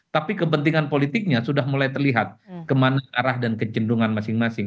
tapi kepentingan politiknya sudah mulai terlihat kemana arah dan kecenderungan masing masing